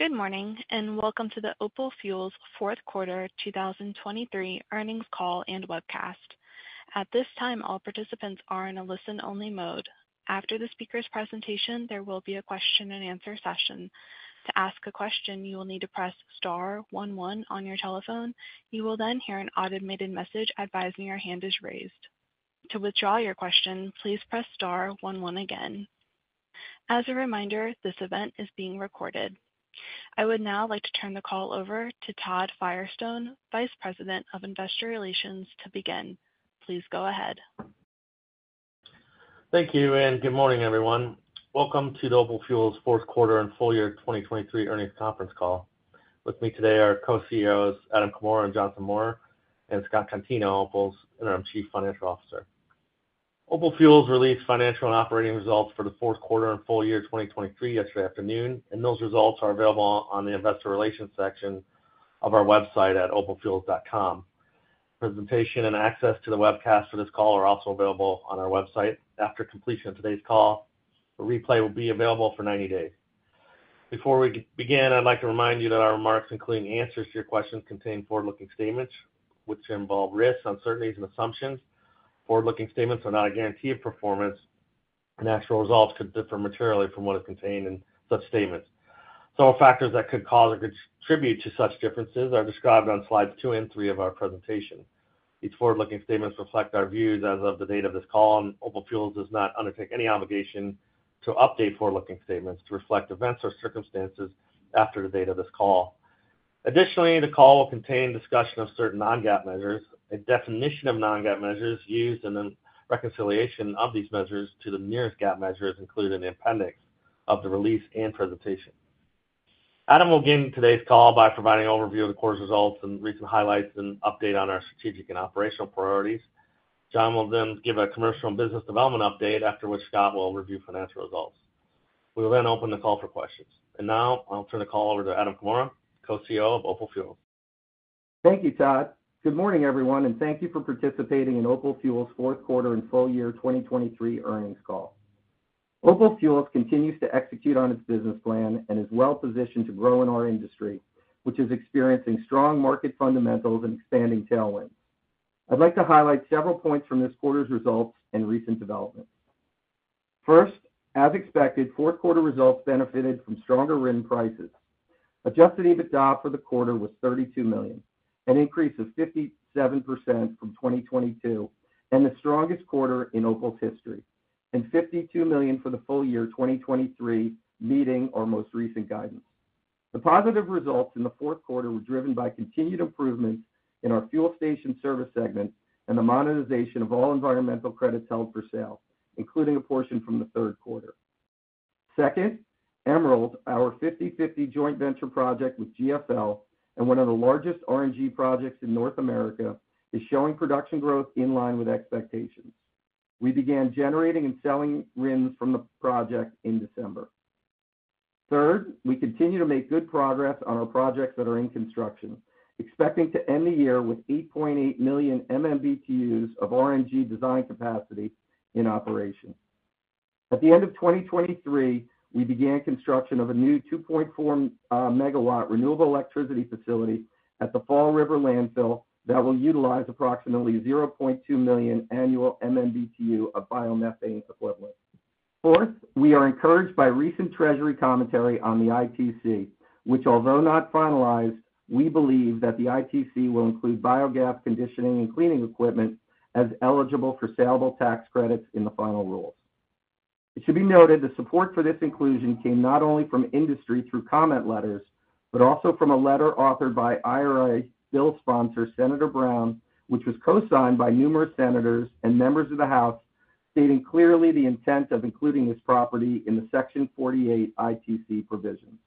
Good morning and welcome to the Opal Fuels fourth quarter 2023 earnings call and webcast. At this time, all participants are in a listen-only mode. After the speaker's presentation, there will be a question-and-answer session. To ask a question, you will need to press star one one on your telephone. You will then hear an automated message advising your hand is raised. To withdraw your question, please press star one one again. As a reminder, this event is being recorded. I would now like to turn the call over to Todd Firestone, Vice President of Investor Relations, to begin. Please go ahead. Thank you and good morning, everyone. Welcome to the Opal Fuels fourth quarter and full year 2023 earnings conference call. With me today are Co-CEOs Adam Comora and Jonathan Maurer, and Scott Contino, Opal's Interim Chief Financial Officer. Opal Fuels released financial and operating results for the fourth quarter and full year 2023 yesterday afternoon, and those results are available on the Investor Relations section of our website at opalfuels.com. Presentation and access to the webcast for this call are also available on our website. After completion of today's call, a replay will be available for 90 days. Before we begin, I'd like to remind you that our remarks, including answers to your questions, contain forward-looking statements which involve risks, uncertainties, and assumptions. Forward-looking statements are not a guarantee of performance, and actual results could differ materially from what is contained in such statements. Several factors that could cause or contribute to such differences are described on Slides 2 and 3 of our presentation. These forward-looking statements reflect our views as of the date of this call, and Opal Fuels does not undertake any obligation to update forward-looking statements to reflect events or circumstances after the date of this call. Additionally, the call will contain discussion of certain non-GAAP measures, a definition of non-GAAP measures used, and then reconciliation of these measures to the nearest GAAP measures included in the appendix of the release and presentation. Adam will begin today's call by providing an overview of the quarter's results and recent highlights and an update on our strategic and operational priorities. Jon will then give a commercial and business development update, after which Scott will review financial results. We will then open the call for questions. Now I'll turn the call over to Adam Comora, Co-CEO of Opal Fuels. Thank you, Todd. Good morning, everyone, and thank you for participating in Opal Fuels' fourth quarter and full year 2023 earnings call. Opal Fuels continues to execute on its business plan and is well positioned to grow in our industry, which is experiencing strong market fundamentals and expanding tailwinds. I'd like to highlight several points from this quarter's results and recent developments. First, as expected, fourth quarter results benefited from stronger RNG prices. Adjusted EBITDA for the quarter was $32 million, an increase of 57% from 2022 and the strongest quarter in Opal's history, and $52 million for the full year 2023 meeting our most recent guidance. The positive results in the fourth quarter were driven by continued improvements in our fuel station services segment and the monetization of all environmental credits held for sale, including a portion from the third quarter. Second, Emerald, our 50/50 joint venture project with GFL and one of the largest RNG projects in North America, is showing production growth in line with expectations. We began generating and selling RINs from the project in December. Third, we continue to make good progress on our projects that are in construction, expecting to end the year with 8.8 million MMBtu of RNG design capacity in operation. At the end of 2023, we began construction of a new 2.4 MW renewable electricity facility at the Fall River landfill that will utilize approximately 0.2 million annual MMBtu of biomethane equivalent. Fourth, we are encouraged by recent Treasury commentary on the ITC, which, although not finalized, we believe that the ITC will include biogas conditioning and cleaning equipment as eligible for saleable tax credits in the final rules. It should be noted that support for this inclusion came not only from industry through comment letters, but also from a letter authored by IRA bill sponsor Senator Brown, which was co-signed by numerous senators and members of the House, stating clearly the intent of including this property in the Section 48 ITC provisions.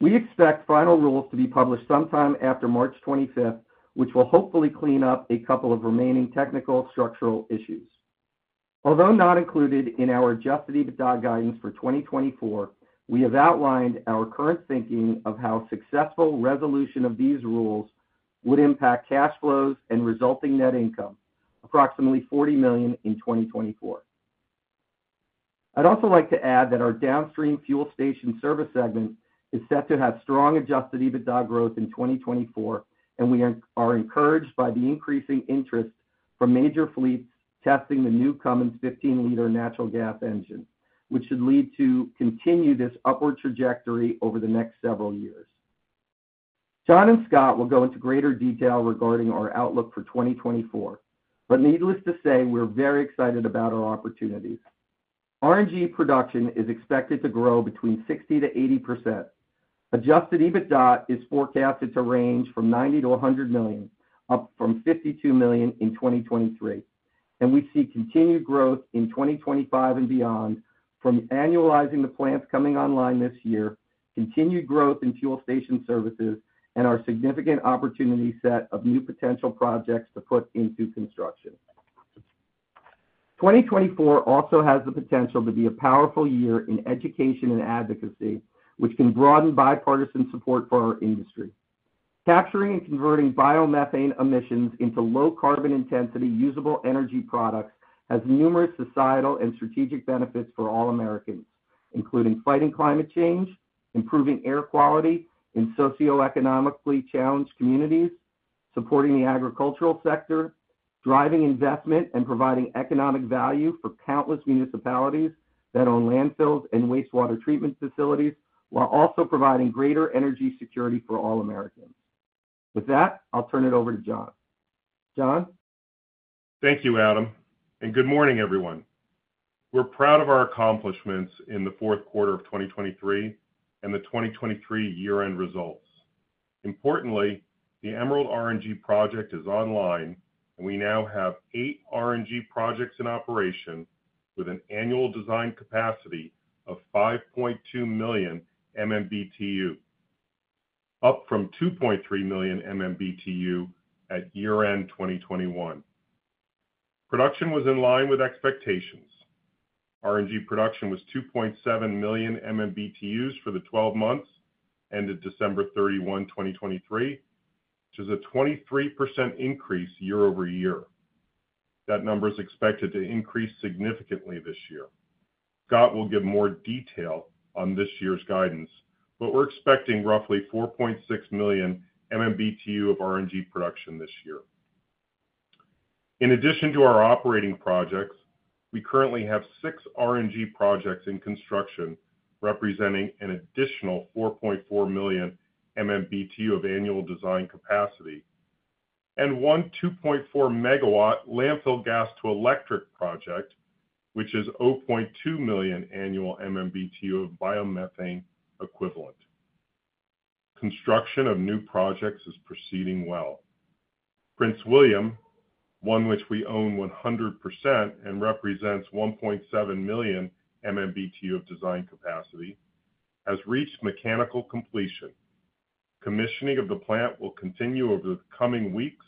We expect final rules to be published sometime after March 25th, which will hopefully clean up a couple of remaining technical structural issues. Although not included in our Adjusted EBITDA guidance for 2024, we have outlined our current thinking of how successful resolution of these rules would impact cash flows and resulting net income, approximately $40 million in 2024. I'd also like to add that our downstream fuel station service segment is set to have strong Adjusted EBITDA growth in 2024, and we are encouraged by the increasing interest from major fleets testing the new Cummins 15-liter natural gas engine, which should lead to continue this upward trajectory over the next several years. Jon and Scott will go into greater detail regarding our outlook for 2024, but needless to say, we're very excited about our opportunities. RNG production is expected to grow between 60%-80%. Adjusted EBITDA is forecasted to range from $90 million-$100 million, up from $52 million in 2023. We see continued growth in 2025 and beyond from annualizing the plants coming online this year, continued growth in fuel station services, and our significant opportunity set of new potential projects to put into construction. 2024 also has the potential to be a powerful year in education and advocacy, which can broaden bipartisan support for our industry. Capturing and converting biomethane emissions into low-carbon intensity usable energy products has numerous societal and strategic benefits for all Americans, including fighting climate change, improving air quality in socioeconomically challenged communities, supporting the agricultural sector, driving investment, and providing economic value for countless municipalities that own landfills and wastewater treatment facilities, while also providing greater energy security for all Americans. With that, I'll turn it over to Jon. Jon? Thank you, Adam, and good morning, everyone. We're proud of our accomplishments in the fourth quarter of 2023 and the 2023 year-end results. Importantly, the Emerald RNG project is online, and we now have eight RNG projects in operation with an annual design capacity of 5.2 million MMBtu, up from 2.3 million MMBtu at year-end 2021. Production was in line with expectations. RNG production was 2.7 million MMBtu for the 12 months ended December 31, 2023, which is a 23% increase year-over-year. That number is expected to increase significantly this year. Scott will give more detail on this year's guidance, but we're expecting roughly 4.6 million MMBtu of RNG production this year. In addition to our operating projects, we currently have six RNG projects in construction representing an additional 4.4 million MMBtu of annual design capacity and one 2.4 MW landfill gas-to-electric project, which is 0.2 million annual MMBtu of biomethane equivalent. Construction of new projects is proceeding well. Prince William, one which we own 100% and represents 1.7 million MMBtu of design capacity, has reached mechanical completion. Commissioning of the plant will continue over the coming weeks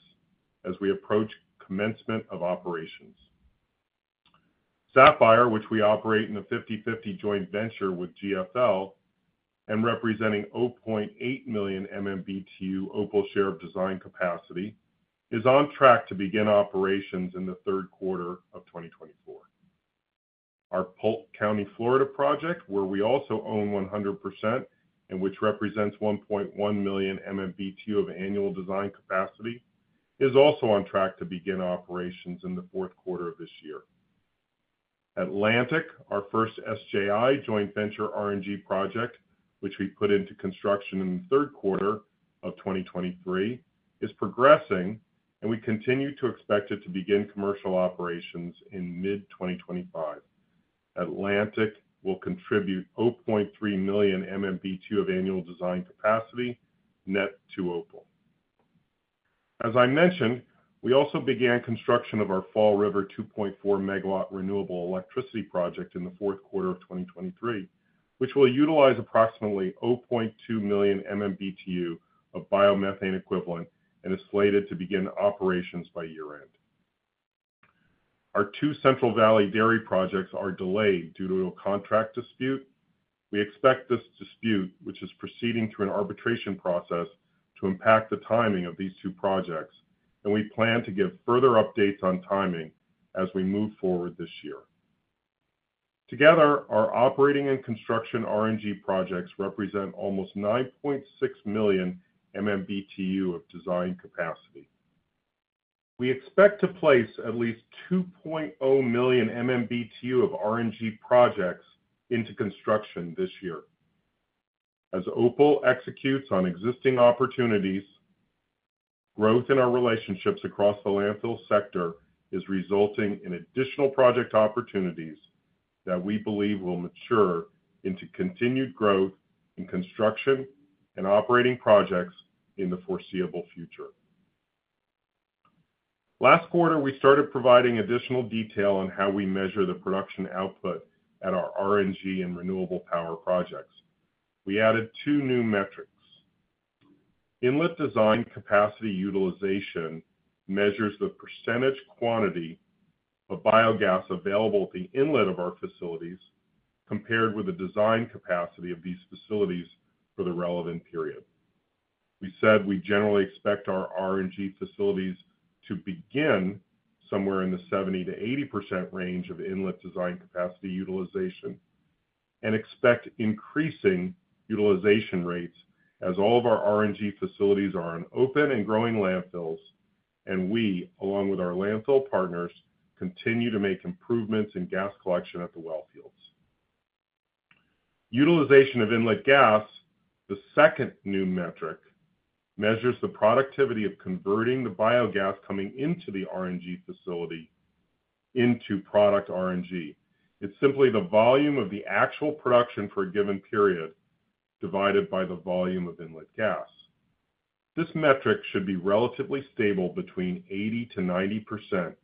as we approach commencement of operations. Sapphire, which we operate in a 50/50 joint venture with GFL and representing 0.8 million MMBtu Opal share of design capacity, is on track to begin operations in the third quarter of 2024. Our Polk County, Florida project, where we also own 100% and which represents 1.1 million MMBtu of annual design capacity, is also on track to begin operations in the fourth quarter of this year. Atlantic, our first SJI joint venture RNG project, which we put into construction in the third quarter of 2023, is progressing, and we continue to expect it to begin commercial operations in mid-2025. Atlantic will contribute 0.3 million MMBtu of annual design capacity net to Opal. As I mentioned, we also began construction of our Fall River 2.4 MW renewable electricity project in the fourth quarter of 2023, which will utilize approximately 0.2 million MMBtu of biomethane equivalent and is slated to begin operations by year-end. Our two Central Valley dairy projects are delayed due to a contract dispute. We expect this dispute, which is proceeding through an arbitration process, to impact the timing of these two projects, and we plan to give further updates on timing as we move forward this year. Together, our operating and construction RNG projects represent almost 9.6 million MMBtu of design capacity. We expect to place at least 2.0 million MMBtu of RNG projects into construction this year. As Opal executes on existing opportunities, growth in our relationships across the landfill sector is resulting in additional project opportunities that we believe will mature into continued growth in construction and operating projects in the foreseeable future. Last quarter, we started providing additional detail on how we measure the production output at our RNG and renewable power projects. We added two new metrics. Inlet Design Capacity Utilization measures the percentage quantity of biogas available at the inlet of our facilities compared with the design capacity of these facilities for the relevant period. We said we generally expect our RNG facilities to begin somewhere in the 70%-80% range of inlet design capacity utilization and expect increasing utilization rates as all of our RNG facilities are on open and growing landfills, and we, along with our landfill partners, continue to make improvements in gas collection at the wellfields. Utilization of inlet gas, the second new metric, measures the productivity of converting the biogas coming into the RNG facility into product RNG. It's simply the volume of the actual production for a given period divided by the volume of inlet gas. This metric should be relatively stable between 80%-90%,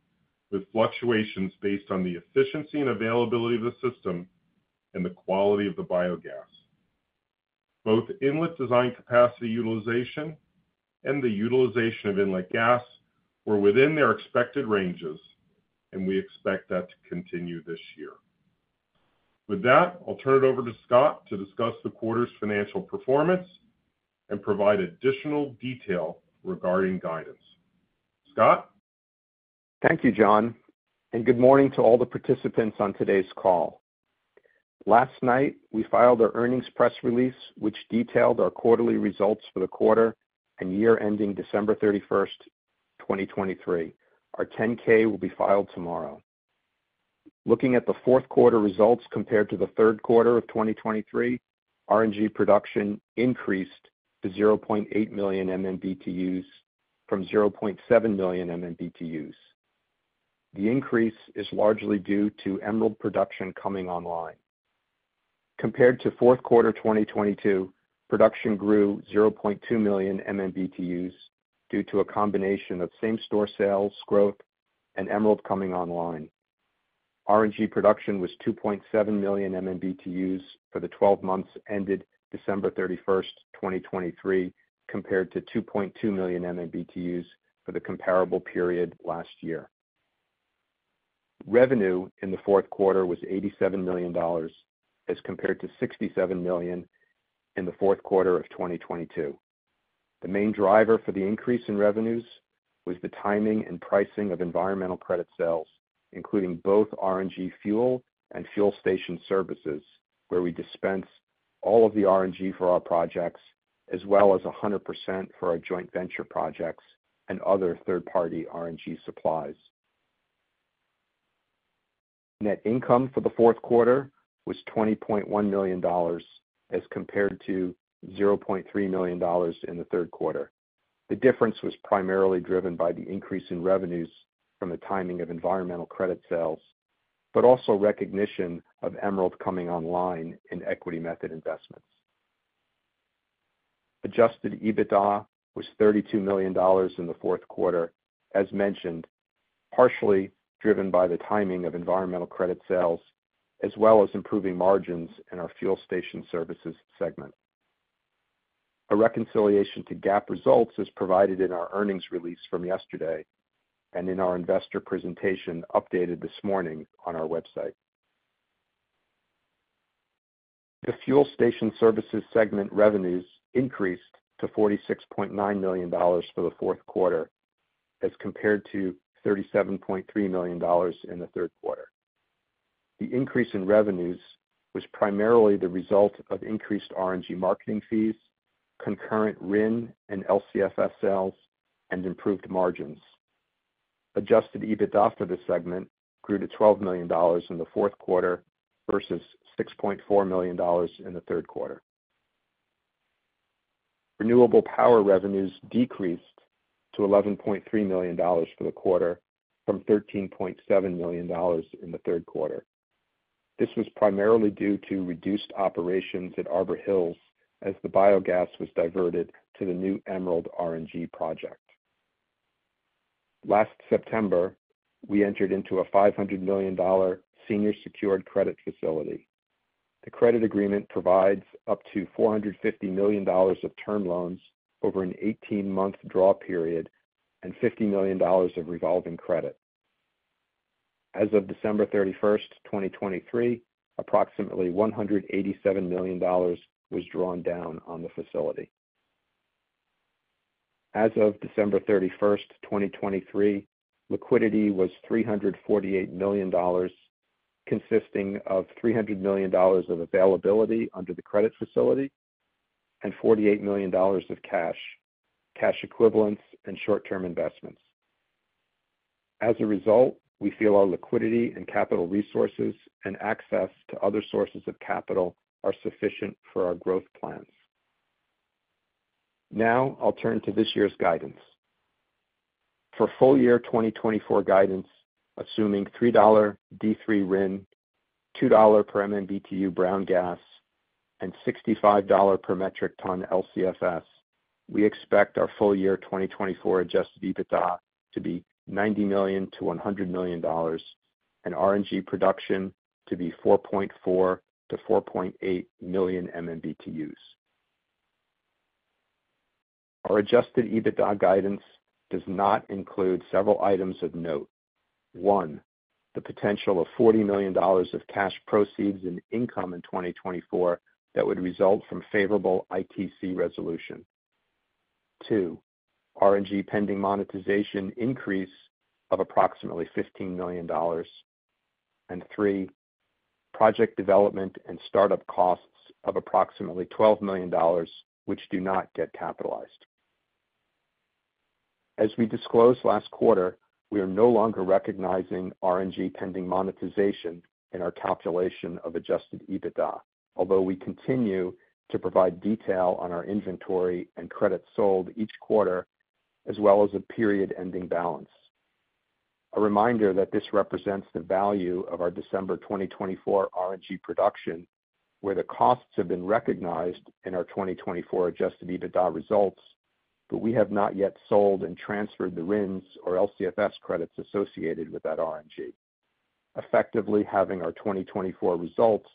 with fluctuations based on the efficiency and availability of the system and the quality of the biogas. Both Inlet Design Capacity Utilization and the Utilization of Inlet Gas were within their expected ranges, and we expect that to continue this year. With that, I'll turn it over to Scott to discuss the quarter's financial performance and provide additional detail regarding guidance. Scott? Thank you, Jon, and good morning to all the participants on today's call. Last night, we filed our earnings press release, which detailed our quarterly results for the quarter and year ending December 31st, 2023. Our 10-K will be filed tomorrow. Looking at the fourth quarter results compared to the third quarter of 2023, RNG production increased to 0.8 million MMBtu from 0.7 million MMBtu. The increase is largely due to Emerald production coming online. Compared to fourth quarter 2022, production grew 0.2 million MMBtu due to a combination of same-store sales, growth, and Emerald coming online. RNG production was 2.7 million MMBtu for the 12 months ended December 31st, 2023, compared to 2.2 million MMBtu for the comparable period last year. Revenue in the fourth quarter was $87 million as compared to $67 million in the fourth quarter of 2022. The main driver for the increase in revenues was the timing and pricing of environmental credit sales, including both RNG fuel and fuel station services, where we dispense all of the RNG for our projects as well as 100% for our joint venture projects and other third-party RNG supplies. Net income for the fourth quarter was $20.1 million as compared to $0.3 million in the third quarter. The difference was primarily driven by the increase in revenues from the timing of environmental credit sales, but also recognition of Emerald coming online in equity method investments. Adjusted EBITDA was $32 million in the fourth quarter, as mentioned, partially driven by the timing of environmental credit sales as well as improving margins in our fuel station services segment. A reconciliation to GAAP results is provided in our earnings release from yesterday and in our investor presentation updated this morning on our website. The fuel station services segment revenues increased to $46.9 million for the fourth quarter as compared to $37.3 million in the third quarter. The increase in revenues was primarily the result of increased RNG marketing fees, concurrent RIN and LCFS sales, and improved margins. Adjusted EBITDA for this segment grew to $12 million in the fourth quarter versus $6.4 million in the third quarter. Renewable power revenues decreased to $11.3 million for the quarter from $13.7 million in the third quarter. This was primarily due to reduced operations at Arbor Hills as the biogas was diverted to the new Emerald RNG project. Last September, we entered into a $500 million senior-secured credit facility. The credit agreement provides up to $450 million of term loans over an 18-month draw period and $50 million of revolving credit. As of December 31st, 2023, approximately $187 million was drawn down on the facility. As of December 31st, 2023, liquidity was $348 million, consisting of $300 million of availability under the credit facility and $48 million of cash, cash equivalents, and short-term investments. As a result, we feel our liquidity and capital resources and access to other sources of capital are sufficient for our growth plans. Now, I'll turn to this year's guidance. For full-year 2024 guidance, assuming $3 D3 RIN, $2 per MMBtu brown gas, and $65 per metric ton LCFS, we expect our full-year 2024 adjusted EBITDA to be $90 million-$100 million and RNG production to be 4.4-4.8 million MMBtu. Our adjusted EBITDA guidance does not include several items of note. One, the potential of $40 million of cash proceeds and income in 2024 that would result from favorable ITC resolution. Two, RNG pending monetization increase of approximately $15 million. Three, project development and startup costs of approximately $12 million, which do not get capitalized. As we disclosed last quarter, we are no longer recognizing RNG pending monetization in our calculation of Adjusted EBITDA, although we continue to provide detail on our inventory and credits sold each quarter as well as a period-ending balance. A reminder that this represents the value of our December 2024 RNG production, where the costs have been recognized in our 2024 Adjusted EBITDA results, but we have not yet sold and transferred the RINs or LCFS credits associated with that RNG, effectively having our 2024 results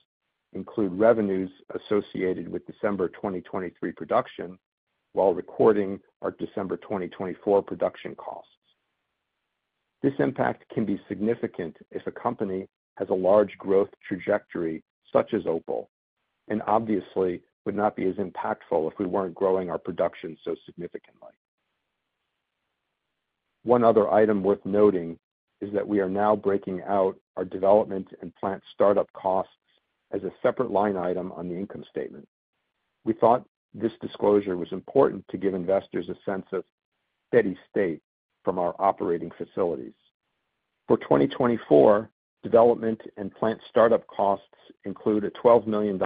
include revenues associated with December 2023 production while recording our December 2024 production costs. This impact can be significant if a company has a large growth trajectory such as Opal and obviously would not be as impactful if we weren't growing our production so significantly. One other item worth noting is that we are now breaking out our development and plant startup costs as a separate line item on the income statement. We thought this disclosure was important to give investors a sense of steady state from our operating facilities. For 2024, development and plant startup costs include a $12 million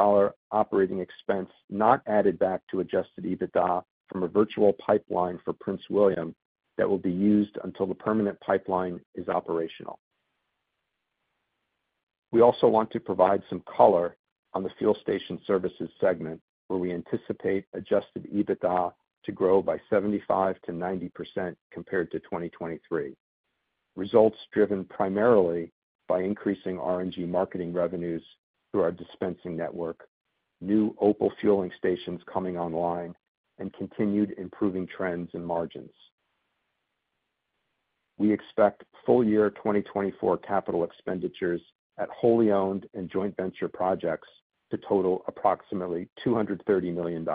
operating expense not added back to Adjusted EBITDA from a virtual pipeline for Prince William that will be used until the permanent pipeline is operational. We also want to provide some color on the fuel station services segment, where we anticipate Adjusted EBITDA to grow by 75%-90% compared to 2023, results driven primarily by increasing RNG marketing revenues through our dispensing network, new Opal fueling stations coming online, and continued improving trends in margins. We expect full-year 2024 capital expenditures at wholly owned and joint venture projects to total approximately $230 million,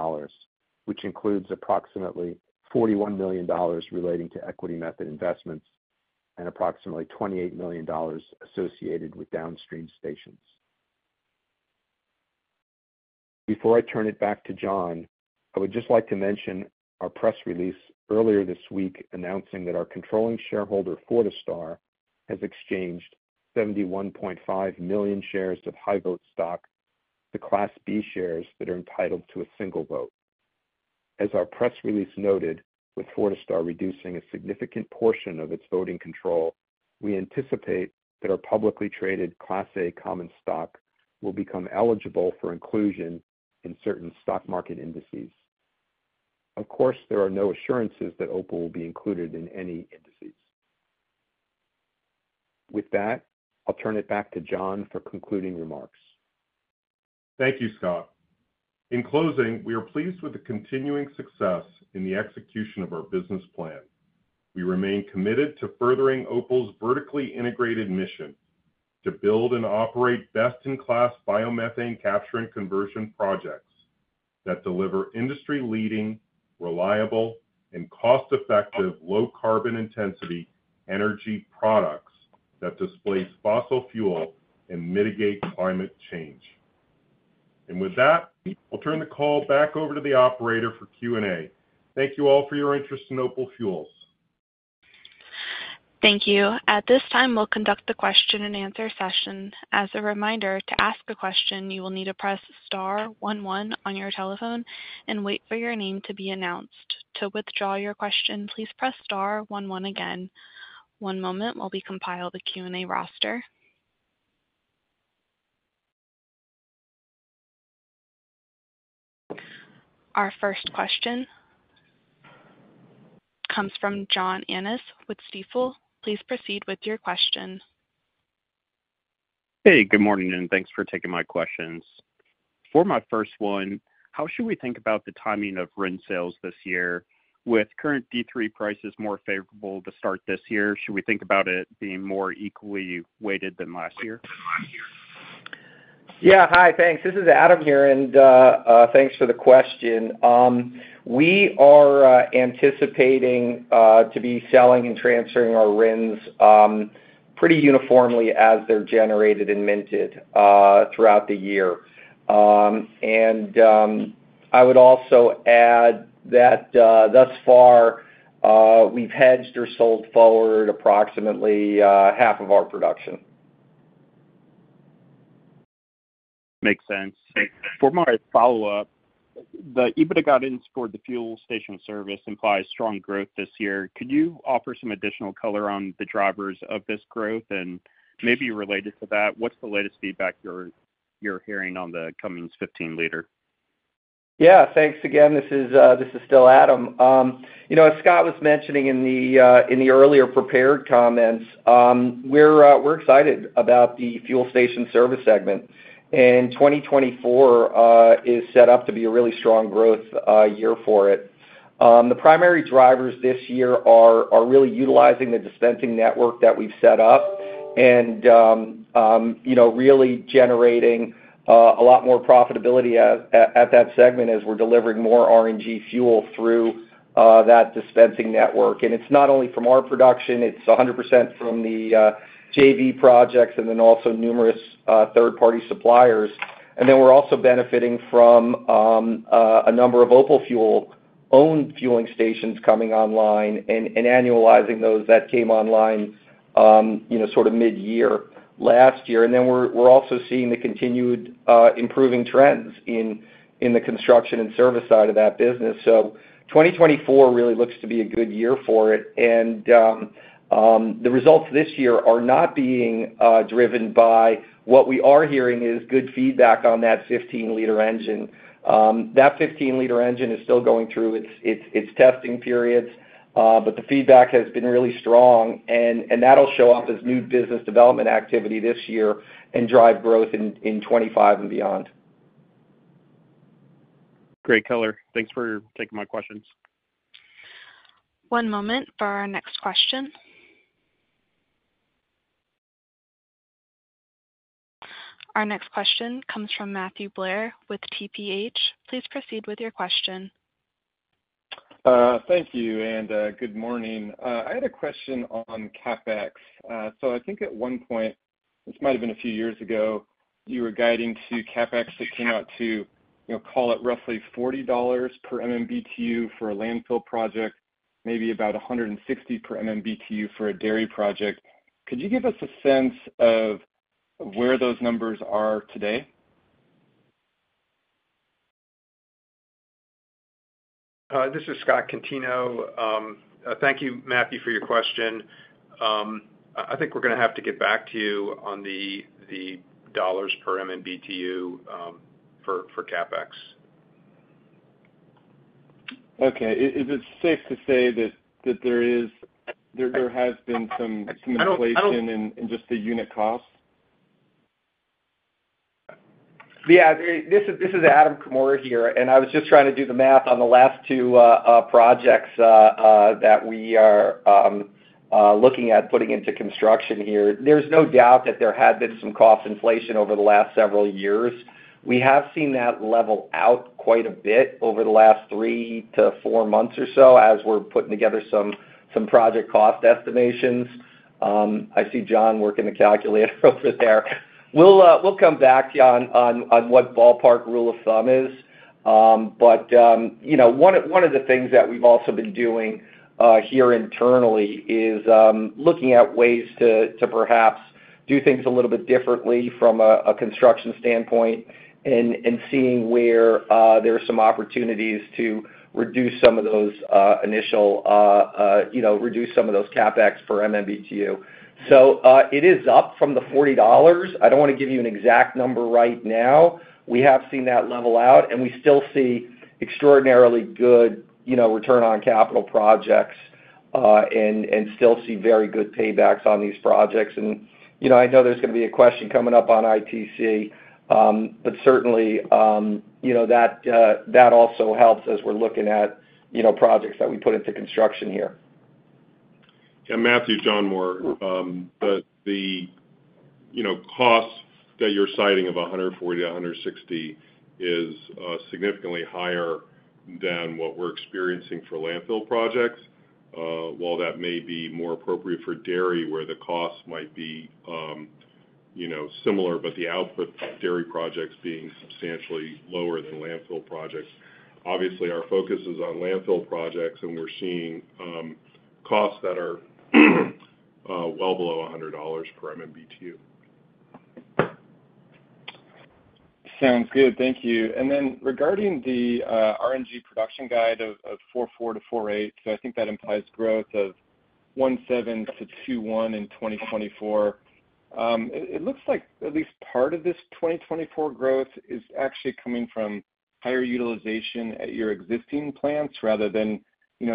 which includes approximately $41 million relating to equity method investments and approximately $28 million associated with downstream stations. Before I turn it back to Jon, I would just like to mention our press release earlier this week announcing that our controlling shareholder, Fortistar, has exchanged 71.5 million shares of high-vote stock to Class B shares that are entitled to a single vote. As our press release noted, with Fortistar reducing a significant portion of its voting control, we anticipate that our publicly traded Class A common stock will become eligible for inclusion in certain stock market indices. Of course, there are no assurances that Opal will be included in any indices. With that, I'll turn it back to Jon for concluding remarks. Thank you, Scott. In closing, we are pleased with the continuing success in the execution of our business plan. We remain committed to furthering Opal's vertically integrated mission to build and operate best-in-class biomethane capture and conversion projects that deliver industry-leading, reliable, and cost-effective low-carbon intensity energy products that displace fossil fuel and mitigate climate change. With that, I'll turn the call back over to the operator for Q&A. Thank you all for your interest in Opal Fuels. Thank you. At this time, we'll conduct the question-and-answer session. As a reminder, to ask a question, you will need to press star one one on your telephone and wait for your name to be announced. To withdraw your question, please press star one one again. One moment, we'll be compiling the Q&A roster. Our first question comes from John Annis with Stifel. Please proceed with your question. Hey, good morning, and thanks for taking my questions. For my first one, how should we think about the timing of RIN sales this year? With current D3 prices more favorable to start this year, should we think about it being more equally weighted than last year? Yeah, hi, thanks. This is Adam here, and thanks for the question. We are anticipating to be selling and transferring our RINs pretty uniformly as they're generated and minted throughout the year. And I would also add that thus far, we've hedged or sold forward approximately half of our production. Makes sense. For my follow-up, the EBITDA guidance for the fuel station service implies strong growth this year. Could you offer some additional color on the drivers of this growth? And maybe related to that, what's the latest feedback you're hearing on the Cummins 15-liter? Yeah, thanks again. This is still Adam. As Scott was mentioning in the earlier prepared comments, we're excited about the fuel station service segment. And 2024 is set up to be a really strong growth year for it. The primary drivers this year are really utilizing the dispensing network that we've set up and really generating a lot more profitability at that segment as we're delivering more RNG fuel through that dispensing network. And it's not only from our production. It's 100% from the JV projects and then also numerous third-party suppliers. And then we're also benefiting from a number of Opal Fuels-owned fueling stations coming online and annualizing those that came online sort of mid-year last year. And then we're also seeing the continued improving trends in the construction and service side of that business. So 2024 really looks to be a good year for it. The results this year are not being driven by what we are hearing is good feedback on that 15-liter engine. That 15-liter engine is still going through its testing periods, but the feedback has been really strong, and that'll show up as new business development activity this year and drive growth in 2025 and beyond. Great color. Thanks for taking my questions. One moment for our next question. Our next question comes from Matthew Blair with TPH. Please proceed with your question. Thank you, and good morning. I had a question on CapEx. So I think at one point - this might have been a few years ago - you were guiding to CapEx that came out to, call it roughly $40 per MMBtu for a landfill project, maybe about $160 per MMBtu for a dairy project. Could you give us a sense of where those numbers are today? This is Scott Contino. Thank you, Matthew, for your question. I think we're going to have to get back to you on the $ per MMBTU for CapEx. Okay. Is it safe to say that there has been some inflation in just the unit costs? Yeah. This is Adam Comora here, and I was just trying to do the math on the last two projects that we are looking at putting into construction here. There's no doubt that there had been some cost inflation over the last several years. We have seen that level out quite a bit over the last three to four months or so as we're putting together some project cost estimations. I see Jon working the calculator over there. We'll come back to you on what ballpark rule of thumb is. But one of the things that we've also been doing here internally is looking at ways to perhaps do things a little bit differently from a construction standpoint and seeing where there are some opportunities to reduce some of those initial CapEx per MMBtu. So it is up from the $40. I don't want to give you an exact number right now. We have seen that level out, and we still see extraordinarily good return on capital projects and still see very good paybacks on these projects. I know there's going to be a question coming up on ITC, but certainly, that also helps as we're looking at projects that we put into construction here. Yeah, Matthew, Jon Maurer, the cost that you're citing of $140-$160 is significantly higher than what we're experiencing for landfill projects, while that may be more appropriate for dairy, where the cost might be similar but the output dairy projects being substantially lower than landfill projects. Obviously, our focus is on landfill projects, and we're seeing costs that are well below $100 per MMBtu. Sounds good. Thank you. Then regarding the RNG production guide of 44-48, so I think that implies growth of 17-21 in 2024. It looks like at least part of this 2024 growth is actually coming from higher utilization at your existing plants rather than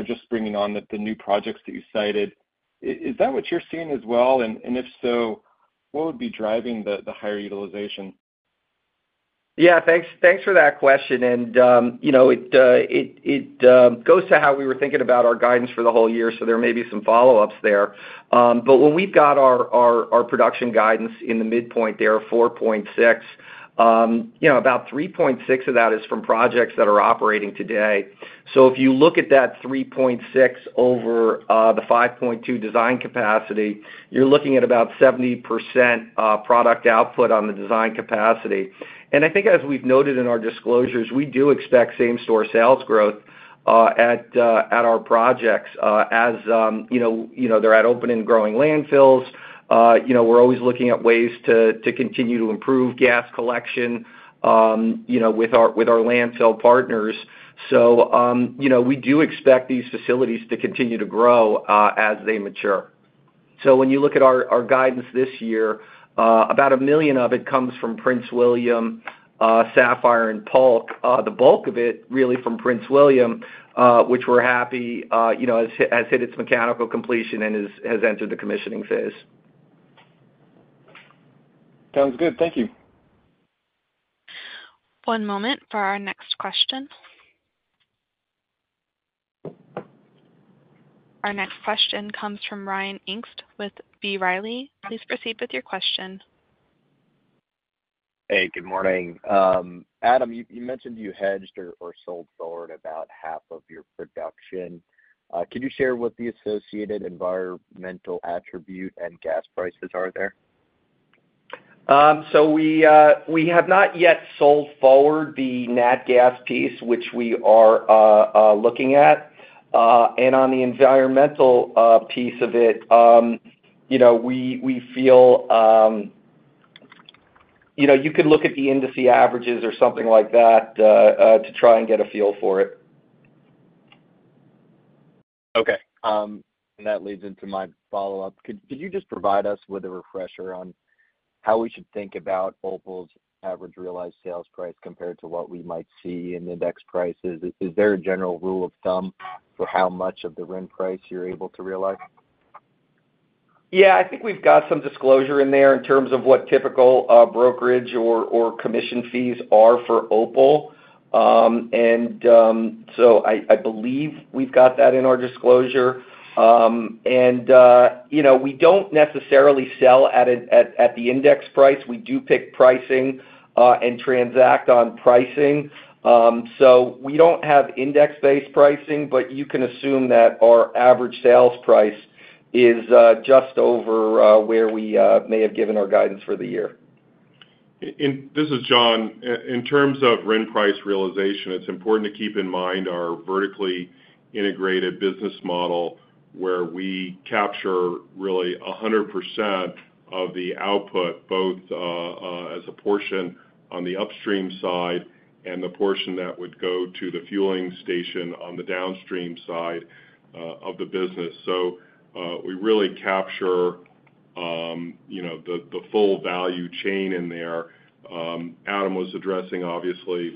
just bringing on the new projects that you cited. Is that what you're seeing as well? And if so, what would be driving the higher utilization? Yeah, thanks for that question. It goes to how we were thinking about our guidance for the whole year, so there may be some follow-ups there. But when we've got our production guidance in the midpoint there of 4.6, about 3.6 of that is from projects that are operating today. So if you look at that 3.6 over the 5.2 design capacity, you're looking at about 70% product output on the design capacity. And I think as we've noted in our disclosures, we do expect same-store sales growth at our projects as they're at open and growing landfills. We're always looking at ways to continue to improve gas collection with our landfill partners. So we do expect these facilities to continue to grow as they mature. So when you look at our guidance this year, about 1 million of it comes from Prince William, Sapphire, and Polk. The bulk of it, really, from Prince William, which we're happy, has hit its mechanical completion and has entered the commissioning phase. Sounds good. Thank you. One moment for our next question. Our next question comes from Ryan Pfingst with B. Riley. Please proceed with your question. Hey, good morning. Adam, you mentioned you hedged or sold forward about half of your production. Could you share what the associated environmental attribute and gas prices are there? We have not yet sold forward the natural gas piece, which we are looking at. On the environmental piece of it, we feel you could look at the index averages or something like that to try and get a feel for it. Okay. And that leads into my follow-up. Could you just provide us with a refresher on how we should think about Opal's average realized sales price compared to what we might see in index prices? Is there a general rule of thumb for how much of the RIN price you're able to realize? Yeah, I think we've got some disclosure in there in terms of what typical brokerage or commission fees are for Opal. And so I believe we've got that in our disclosure. And we don't necessarily sell at the index price. We do pick pricing and transact on pricing. So we don't have index-based pricing, but you can assume that our average sales price is just over where we may have given our guidance for the year. This is Jon. In terms of RIN price realization, it's important to keep in mind our vertically integrated business model where we capture really 100% of the output, both as a portion on the upstream side and the portion that would go to the fueling station on the downstream side of the business. So we really capture the full value chain in there. Adam was addressing, obviously,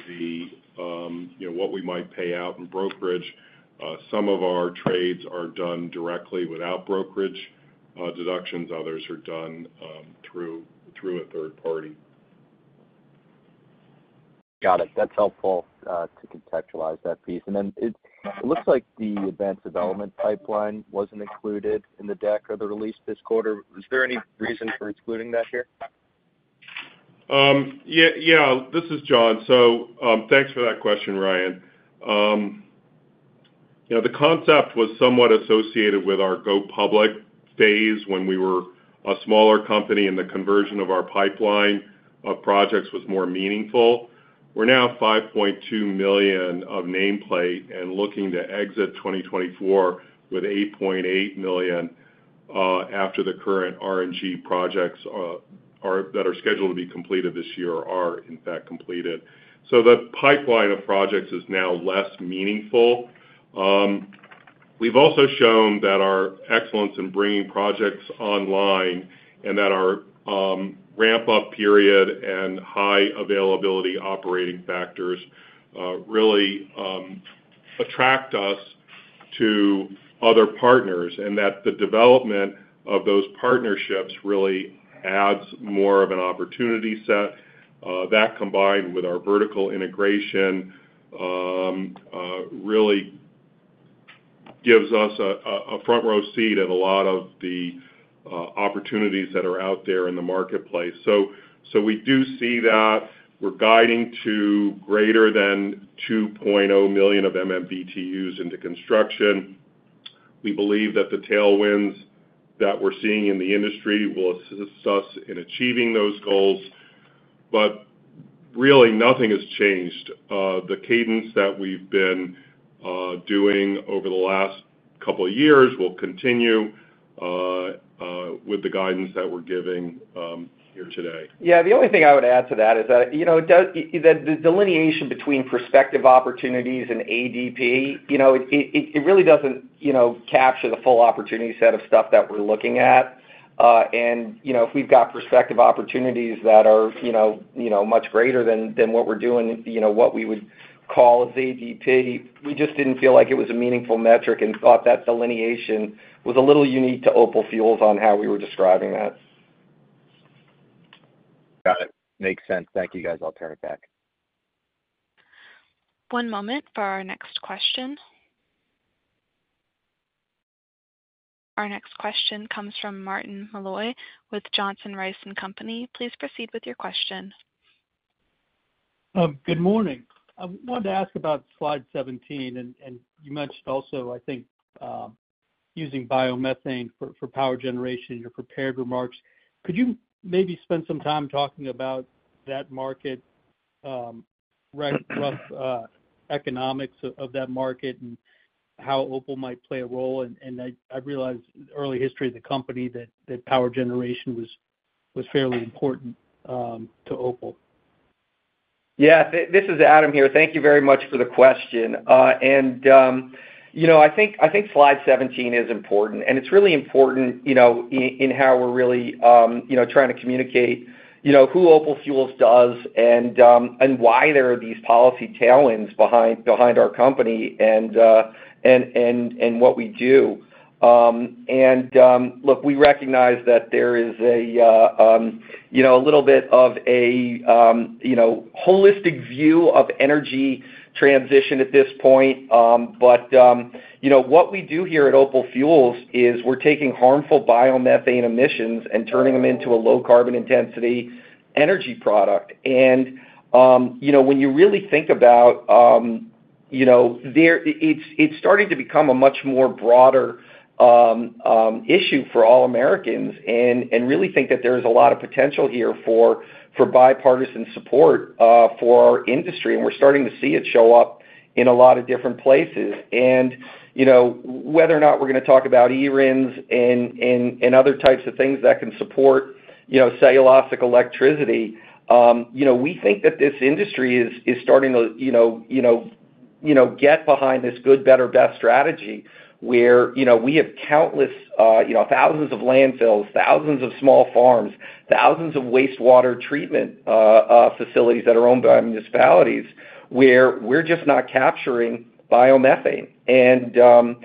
what we might pay out in brokerage. Some of our trades are done directly without brokerage deductions. Others are done through a third party. Got it. That's helpful to contextualize that piece. And then it looks like the advanced development pipeline wasn't included in the deck or the release this quarter. Is there any reason for excluding that here? Yeah, this is Jon. So thanks for that question, Ryan. The concept was somewhat associated with our go public phase when we were a smaller company, and the conversion of our pipeline of projects was more meaningful. We're now 5.2 million of nameplate and looking to exit 2024 with 8.8 million after the current RNG projects that are scheduled to be completed this year are, in fact, completed. So the pipeline of projects is now less meaningful. We've also shown that our excellence in bringing projects online and that our ramp-up period and high availability operating factors really attract us to other partners and that the development of those partnerships really adds more of an opportunity set. That, combined with our vertical integration, really gives us a front-row seat at a lot of the opportunities that are out there in the marketplace. So we do see that. We're guiding to greater than 2.0 million MMBtu into construction. We believe that the tailwinds that we're seeing in the industry will assist us in achieving those goals. But really, nothing has changed. The cadence that we've been doing over the last couple of years will continue with the guidance that we're giving here today. Yeah, the only thing I would add to that is that the delineation between prospective opportunities and ADP. It really doesn't capture the full opportunity set of stuff that we're looking at. If we've got prospective opportunities that are much greater than what we're doing, what we would call as ADP, we just didn't feel like it was a meaningful metric and thought that delineation was a little unique to Opal Fuels on how we were describing that. Got it. Makes sense. Thank you, guys. I'll turn it back. One moment for our next question. Our next question comes from Martin Malloy with Johnson Rice & Company. Please proceed with your question. Good morning. I wanted to ask about Slide 17. And you mentioned also, I think, using biomethane for power generation in your prepared remarks. Could you maybe spend some time talking about that market, rough economics of that market, and how Opal might play a role? And I realize early history of the company that power generation was fairly important to Opal. Yeah, this is Adam here. Thank you very much for the question. I think Slide 17 is important. It's really important in how we're really trying to communicate who Opal Fuels does and why there are these policy tailwinds behind our company and what we do. Look, we recognize that there is a little bit of a holistic view of energy transition at this point. But what we do here at Opal Fuels is we're taking harmful biomethane emissions and turning them into a low-carbon intensity energy product. And when you really think about it's starting to become a much more broader issue for all Americans and really think that there is a lot of potential here for bipartisan support for our industry. We're starting to see it show up in a lot of different places. And whether or not we're going to talk about eRINs and other types of things that can support cellulosic electricity, we think that this industry is starting to get behind this good, better, best strategy where we have countless thousands of landfills, thousands of small farms, thousands of wastewater treatment facilities that are owned by municipalities where we're just not capturing biomethane. And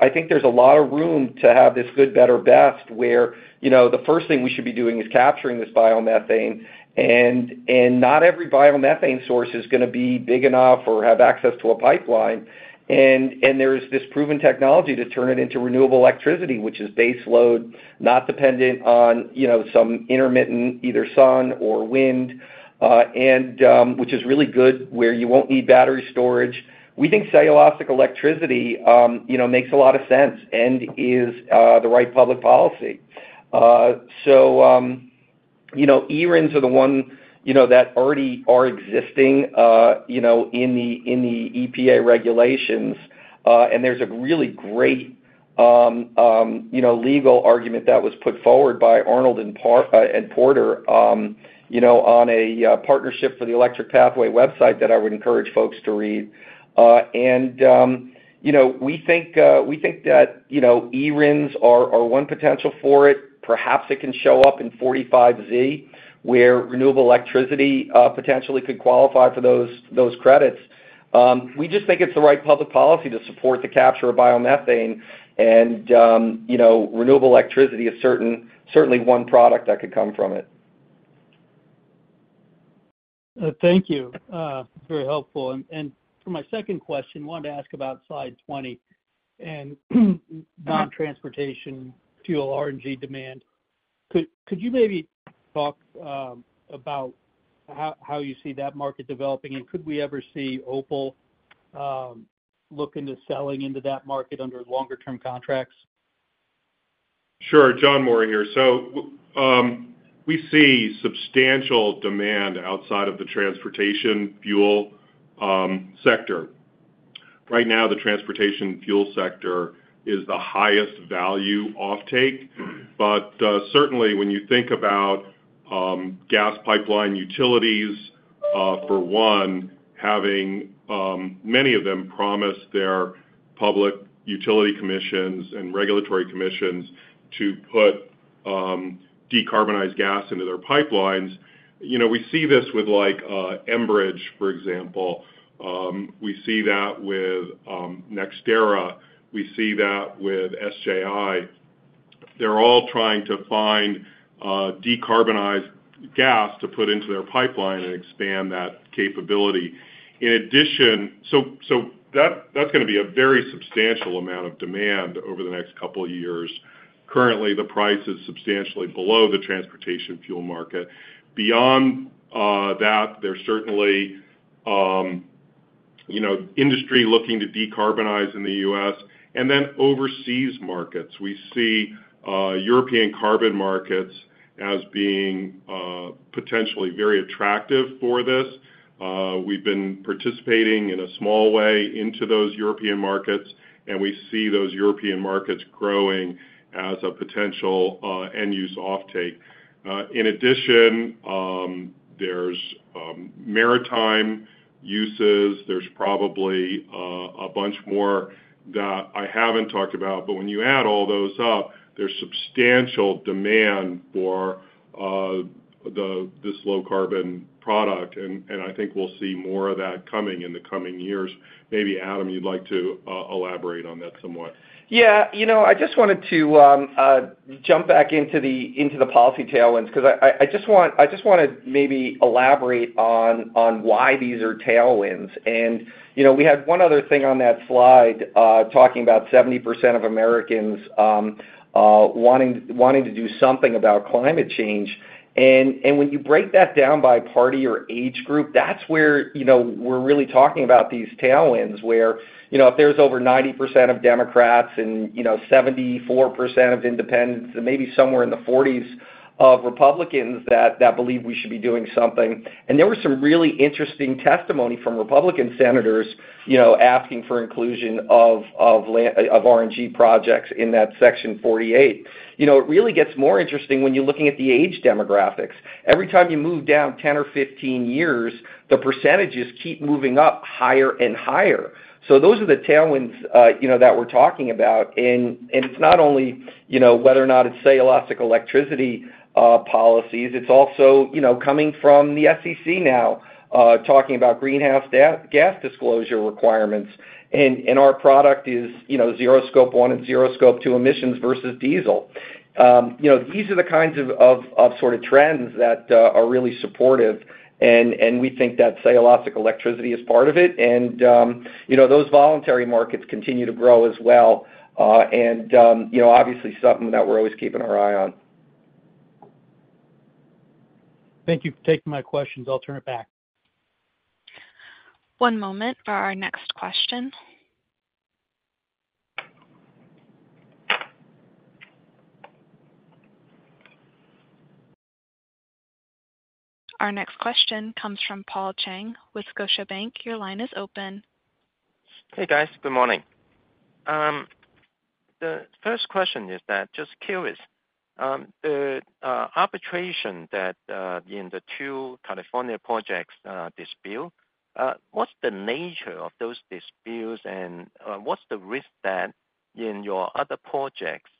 I think there's a lot of room to have this good, better, best where the first thing we should be doing is capturing this biomethane. And not every biomethane source is going to be big enough or have access to a pipeline. And there is this proven technology to turn it into renewable electricity, which is baseload, not dependent on some intermittent either sun or wind, which is really good where you won't need battery storage. We think cellulosic electricity makes a lot of sense and is the right public policy. eRINs are the one that already are existing in the EPA regulations. There's a really great legal argument that was put forward by Arnold & Porter on a partnership for the Electric Pathway website that I would encourage folks to read. We think that eRINs are one potential for it. Perhaps it can show up in 45Z where renewable electricity potentially could qualify for those credits. We just think it's the right public policy to support the capture of biomethane. Renewable electricity is certainly one product that could come from it. Thank you. Very helpful. For my second question, wanted to ask about Slide 20 and non-transportation fuel RNG demand. Could you maybe talk about how you see that market developing? And could we ever see Opal look into selling into that market under longer-term contracts? Sure. Jon Maurer here. So we see substantial demand outside of the transportation fuel sector. Right now, the transportation fuel sector is the highest value offtake. But certainly, when you think about gas pipeline utilities, for one, having many of them promise their public utility commissions and regulatory commissions to put decarbonized gas into their pipelines. We see this with Enbridge, for example. We see that with NextEra. We see that with SJI. They're all trying to find decarbonized gas to put into their pipeline and expand that capability. So that's going to be a very substantial amount of demand over the next couple of years. Currently, the price is substantially below the transportation fuel market. Beyond that, there's certainly industry looking to decarbonize in the U.S. And then overseas markets, we see European carbon markets as being potentially very attractive for this. We've been participating in a small way into those European markets. We see those European markets growing as a potential end-use offtake. In addition, there's maritime uses. There's probably a bunch more that I haven't talked about. But when you add all those up, there's substantial demand for this low-carbon product. I think we'll see more of that coming in the coming years. Maybe, Adam, you'd like to elaborate on that somewhat. Yeah. I just wanted to jump back into the policy tailwinds because I just want to maybe elaborate on why these are tailwinds. And we had one other thing on that slide talking about 70% of Americans wanting to do something about climate change. And when you break that down by party or age group, that's where we're really talking about these tailwinds where if there's over 90% of Democrats and 74% of independents and maybe somewhere in the 40s of Republicans that believe we should be doing something. And there was some really interesting testimony from Republican senators asking for inclusion of RNG projects in that Section 48. It really gets more interesting when you're looking at the age demographics. Every time you move down 10 or 15 years, the percentages keep moving up higher and higher. So those are the tailwinds that we're talking about. It's not only whether or not it's cellulosic electricity policies. It's also coming from the SEC now talking about greenhouse gas disclosure requirements. Our product is zero Scope 1 and zero Scope 2 emissions versus diesel. These are the kinds of sort of trends that are really supportive. We think that cellulosic electricity is part of it. Those voluntary markets continue to grow as well. Obviously, something that we're always keeping an eye on. Thank you for taking my questions. I'll turn it back. One moment for our next question. Our next question comes from Paul Cheng with Scotiabank. Your line is open. Hey, guys. Good morning. The first question is, just curious, the arbitration in the two California projects dispute, what's the nature of those disputes? And what's the risk that in your other projects,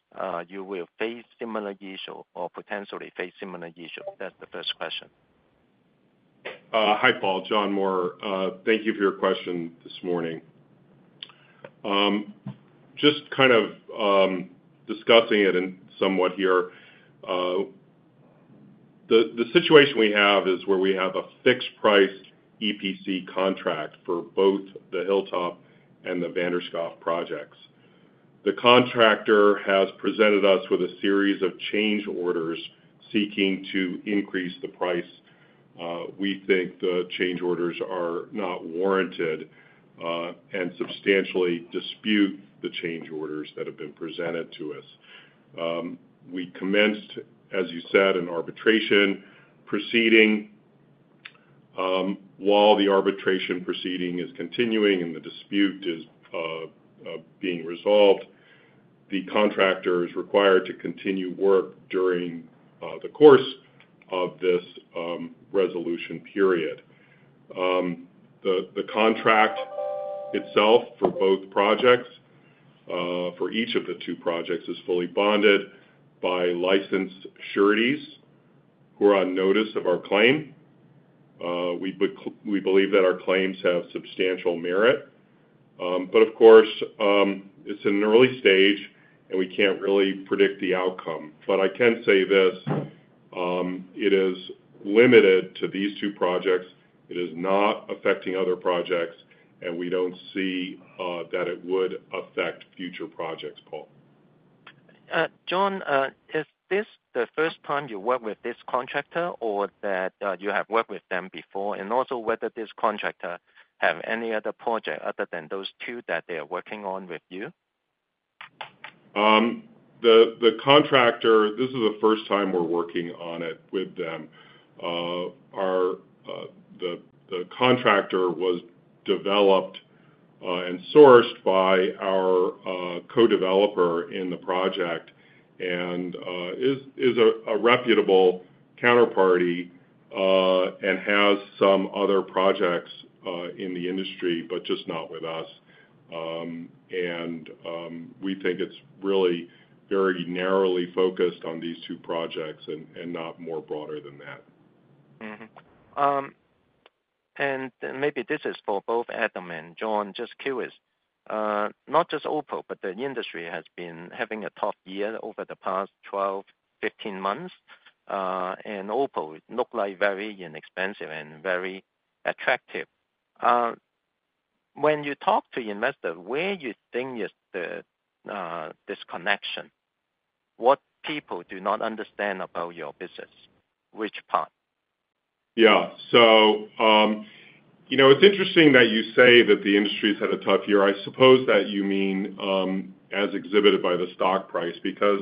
you will face similar issues or potentially face similar issues? That's the first question. Hi, Paul. Jonathan Maurer. Thank you for your question this morning. Just kind of discussing it somewhat here, the situation we have is where we have a fixed-price EPC contract for both the Hilltop and the Vanderhoff projects. The contractor has presented us with a series of change orders seeking to increase the price. We think the change orders are not warranted and substantially dispute the change orders that have been presented to us. We commenced, as you said, an arbitration proceeding. While the arbitration proceeding is continuing and the dispute is being resolved, the contractor is required to continue work during the course of this resolution period. The contract itself for both projects, for each of the two projects, is fully bonded by licensed sureties who are on notice of our claim. We believe that our claims have substantial merit. Of course, it's in an early stage, and we can't really predict the outcome. I can say this. It is limited to these two projects. It is not affecting other projects. We don't see that it would affect future projects, Paul. Jon, is this the first time you work with this contractor or that you have worked with them before? And also whether this contractor has any other project other than those two that they are working on with you? The contractor. This is the first time we're working on it with them. The contractor was developed and sourced by our co-developer in the project and is a reputable counterparty and has some other projects in the industry but just not with us. We think it's really very narrowly focused on these two projects and not more broader than that. Maybe this is for both Adam and Jon. Just curious, not just Opal, but the industry has been having a tough year over the past 12, 15 months. Opal looked very inexpensive and very attractive. When you talk to investors, where do you think is the disconnection? What people do not understand about your business? Which part? Yeah. So it's interesting that you say that the industry's had a tough year. I suppose that you mean as exhibited by the stock price because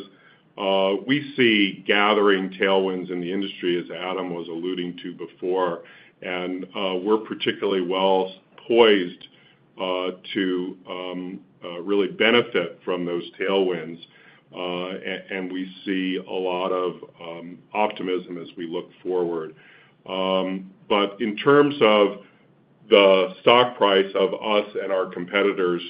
we see gathering tailwinds in the industry, as Adam was alluding to before. And we're particularly well poised to really benefit from those tailwinds. And we see a lot of optimism as we look forward. But in terms of the stock price of us and our competitors,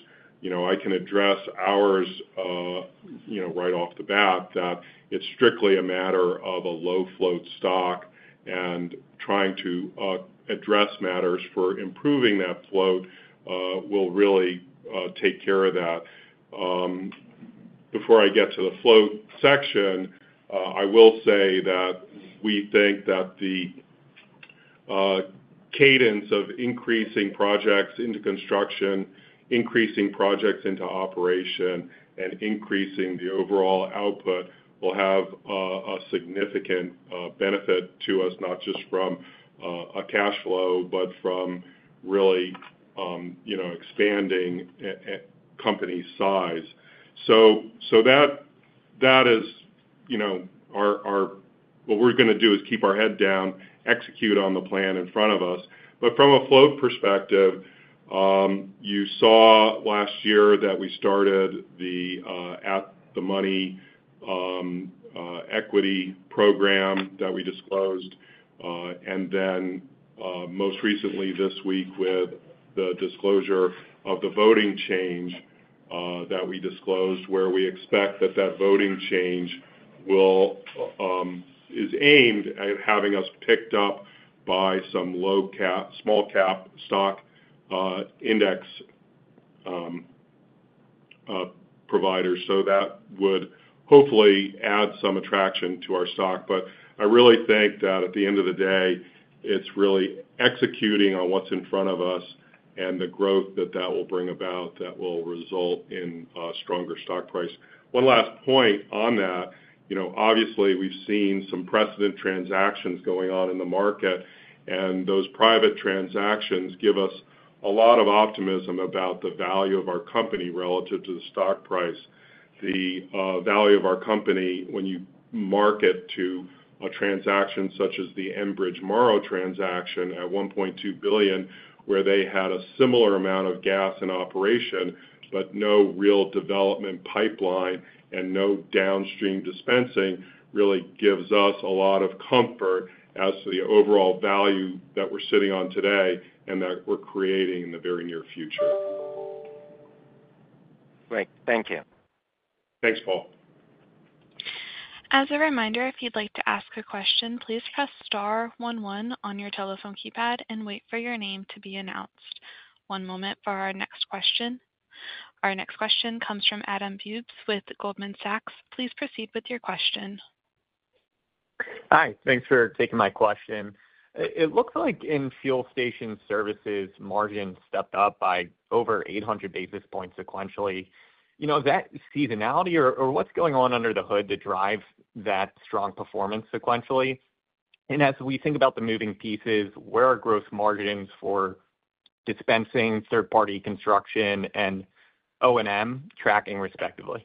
I can address ours right off the bat that it's strictly a matter of a low-float stock. And trying to address matters for improving that float will really take care of that. Before I get to the float section, I will say that we think that the cadence of increasing projects into construction, increasing projects into operation, and increasing the overall output will have a significant benefit to us, not just from a cash flow but from really expanding company size. So that is what we're going to do is keep our head down, execute on the plan in front of us. But from a float perspective, you saw last year that we started the at-the-money equity program that we disclosed. And then most recently this week with the disclosure of the voting change that we disclosed where we expect that that voting change is aimed at having us picked up by some small-cap stock index providers. So that would hopefully add some attraction to our stock. But I really think that at the end of the day, it's really executing on what's in front of us and the growth that that will bring about that will result in a stronger stock price. One last point on that. Obviously, we've seen some precedent transactions going on in the market. And those private transactions give us a lot of optimism about the value of our company relative to the stock price. The value of our company when you market to a transaction such as the Enbridge Morrow transaction at $1.2 billion where they had a similar amount of gas in operation but no real development pipeline and no downstream dispensing really gives us a lot of comfort as to the overall value that we're sitting on today and that we're creating in the very near future. Great. Thank you. Thanks, Paul. As a reminder, if you'd like to ask a question, please press star one one on your telephone keypad and wait for your name to be announced. One moment for our next question. Our next question comes from Adam Bubes with Goldman Sachs. Please proceed with your question. Hi. Thanks for taking my question. It looks like in fuel station services, margins stepped up by over 800 basis points sequentially. Is that seasonality or what's going on under the hood to drive that strong performance sequentially? As we think about the moving pieces, where are gross margins for dispensing, third-party construction, and O&M tracking, respectively?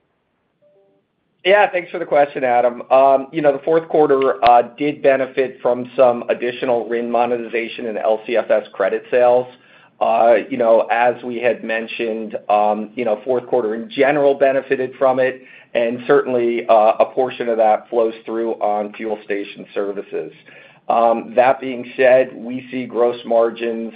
Yeah. Thanks for the question, Adam. The fourth quarter did benefit from some additional RIN monetization and LCFS credit sales. As we had mentioned, fourth quarter in general benefited from it. And certainly, a portion of that flows through on fuel station services. That being said, we see gross margins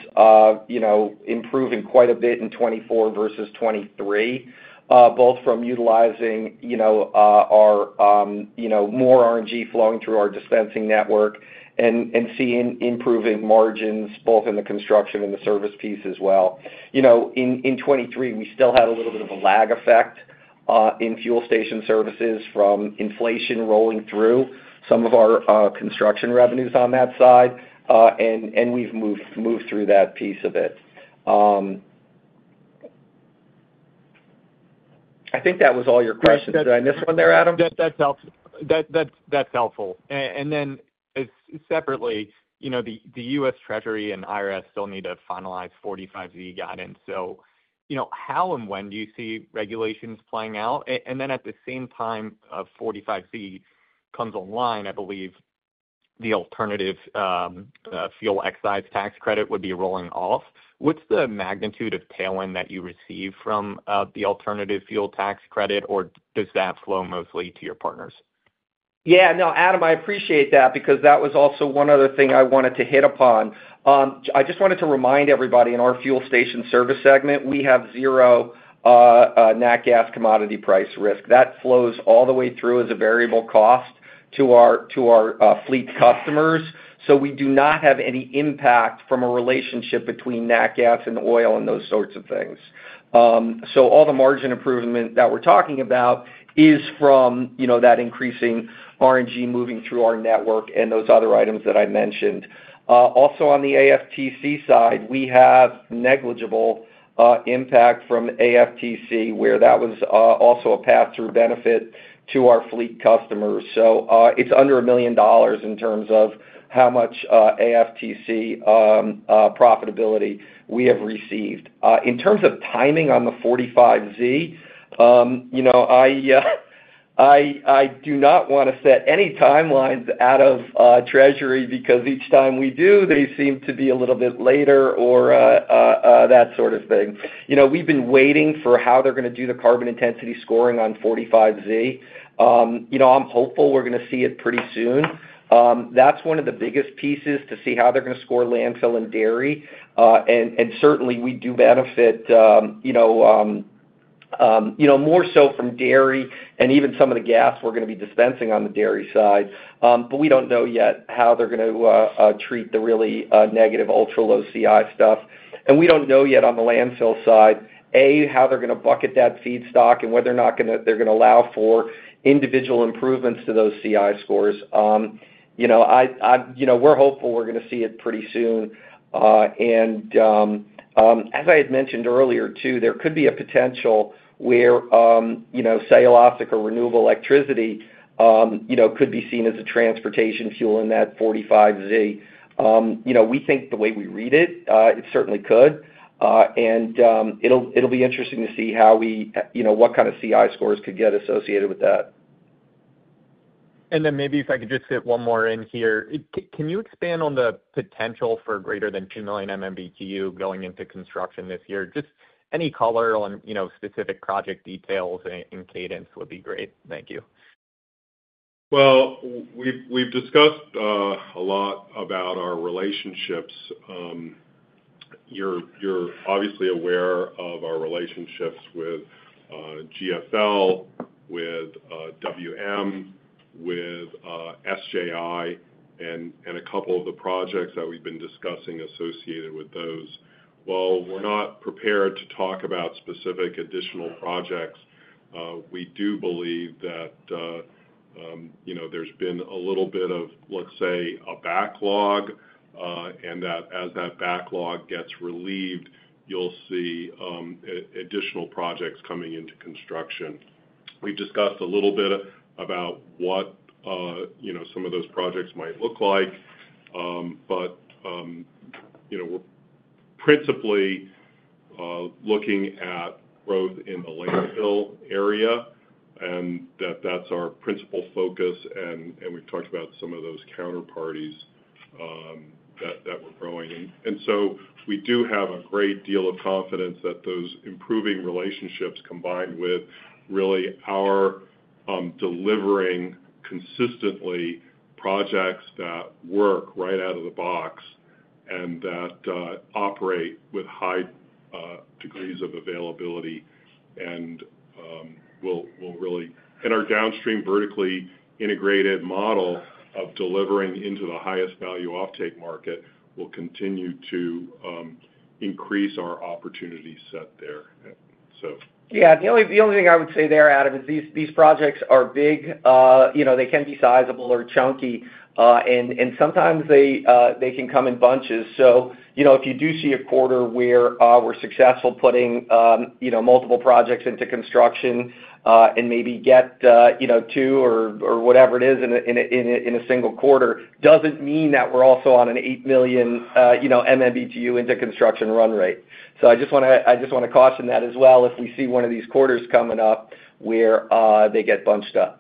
improving quite a bit in 2024 versus 2023, both from utilizing more RNG flowing through our dispensing network and seeing improving margins both in the construction and the service piece as well. In 2023, we still had a little bit of a lag effect in fuel station services from inflation rolling through some of our construction revenues on that side. And we've moved through that piece of it. I think that was all your questions. Did I miss one there, Adam? That's helpful. Then separately, the U.S. Treasury and IRS still need to finalize 45Z guidance. How and when do you see regulations playing out? Then at the same time of 45Z comes online, I believe the alternative fuel excise tax credit would be rolling off. What's the magnitude of tailwind that you receive from the alternative fuel tax credit? Or does that flow mostly to your partners? Yeah. No, Adam, I appreciate that because that was also one other thing I wanted to hit upon. I just wanted to remind everybody, in our fuel station service segment, we have zero nat gas commodity price risk. That flows all the way through as a variable cost to our fleet customers. So we do not have any impact from a relationship between nat gas and oil and those sorts of things. So all the margin improvement that we're talking about is from that increasing RNG moving through our network and those other items that I mentioned. Also on the AFTC side, we have negligible impact from AFTC where that was also a pass-through benefit to our fleet customers. So it's under $1 million in terms of how much AFTC profitability we have received. In terms of timing on the 45Z, I do not want to set any timelines out of Treasury because each time we do, they seem to be a little bit later or that sort of thing. We've been waiting for how they're going to do the carbon intensity scoring on 45Z. I'm hopeful we're going to see it pretty soon. That's one of the biggest pieces to see how they're going to score landfill and dairy. And certainly, we do benefit more so from dairy and even some of the gas we're going to be dispensing on the dairy side. But we don't know yet how they're going to treat the really negative ultra-low CI stuff. And we don't know yet on the landfill side, A, how they're going to bucket that feedstock and whether or not they're going to allow for individual improvements to those CI scores. We're hopeful we're going to see it pretty soon. And as I had mentioned earlier too, there could be a potential where cellulosic or renewable electricity could be seen as a transportation fuel in that 45Z. We think the way we read it, it certainly could. And it'll be interesting to see what kind of CI scores could get associated with that. And then maybe if I could just hit one more in here, can you expand on the potential for greater than 2 million MMBtu going into construction this year? Just any color on specific project details and cadence would be great. Thank you. Well, we've discussed a lot about our relationships. You're obviously aware of our relationships with GFL, with WM, with SJI, and a couple of the projects that we've been discussing associated with those. While we're not prepared to talk about specific additional projects, we do believe that there's been a little bit of, let's say, a backlog. And that as that backlog gets relieved, you'll see additional projects coming into construction. We've discussed a little bit about what some of those projects might look like. But we're principally looking at growth in the landfill area and that that's our principal focus. And we've talked about some of those counterparties that we're growing. And so we do have a great deal of confidence that those improving relationships combined with really our delivering consistently projects that work right out of the box and that operate with high degrees of availability and will really and our downstream vertically integrated model of delivering into the highest value offtake market will continue to increase our opportunity set there, so. Yeah. The only thing I would say there, Adam, is these projects are big. They can be sizable or chunky. And sometimes, they can come in bunches. So if you do see a quarter where we're successful putting multiple projects into construction and maybe get two or whatever it is in a single quarter, doesn't mean that we're also on an 8 million MMBtu into construction run rate. So I just want to caution that as well if we see one of these quarters coming up where they get bunched up.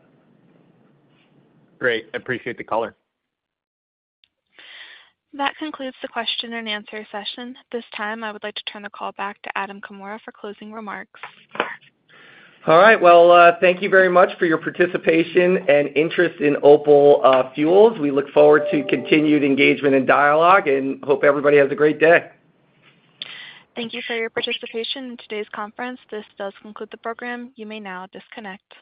Great. Appreciate the color. That concludes the question and answer session. This time, I would like to turn the call back to Adam Comora for closing remarks. All right. Well, thank you very much for your participation and interest in Opal Fuels. We look forward to continued engagement and dialogue and hope everybody has a great day. Thank you for your participation in today's conference. This does conclude the program. You may now disconnect.